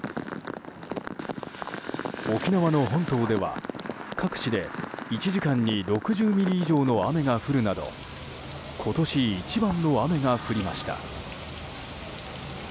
沖縄の本島では各地で１時間に６０ミリ以上の雨が降るなど今年一番の雨が降りました。